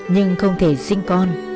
nhưng không thể sinh con